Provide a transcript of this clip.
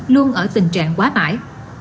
luôn ở tình trạng quá mải